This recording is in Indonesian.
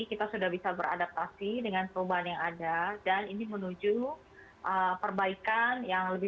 kita sudah bisa beradaptasi dengan perubahan yang ada dan ini menuju perbaikan yang lebih